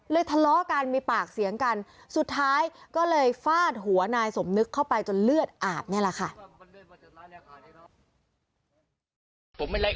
เลยทะเลาะกันมีปากเสียงกันสุดท้ายก็เลยฟาดหัวนายสมนึกเข้าไป